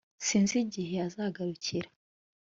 Sinzi igihe azagarukira